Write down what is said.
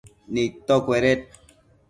nidtocueded